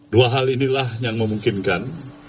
dua hal inilah yang memungkinkan